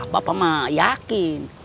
bapak mah yakin